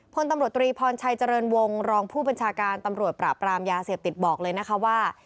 พลตำรวจตรีพรชัยเจริญวงศ์รองผู้บัญชาการตำรวจปราบรามยาเสพติดบอกเลยนะคะว่า